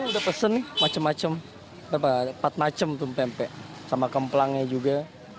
ini udah pesen macem macem empat macem pempe sama kemplangnya juga